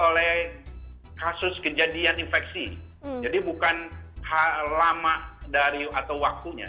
oleh kasus kejadian infeksi jadi bukan lama dari atau waktunya